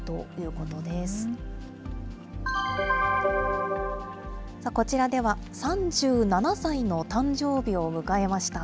こちらでは、３７歳の誕生日を迎えました。